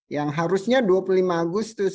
yang harusnya dua puluh lima agustus